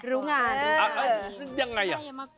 รู้งานอ้าหลังวัดยังไงหรอ